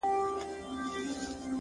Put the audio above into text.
ستا خبري دي.!